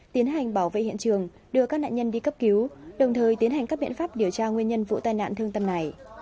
tiến hành bảo vệ hiện trường đưa các nạn nhân đi cấp cứu đồng thời tiến hành các biện pháp điều tra nguyên nhân vụ tai nạn thương tâm này